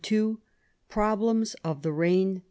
PROBLEMS OF THE REIGN.